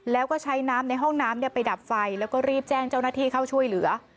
แล้วก็ใช้น้ำในห้องน้ำไปดับไฟแล้วก็รีบแจ้งเจ้าหน้าที่เข้าช่วยเหลือ